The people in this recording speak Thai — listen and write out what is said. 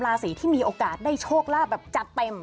๓ลาซีที่มีโอกาสโชคลาบจัดเต็ม